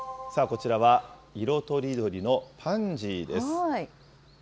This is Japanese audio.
こちらは、色とりどりのパンジーです。